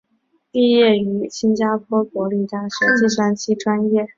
毕业于新加坡国立大学计算机专业。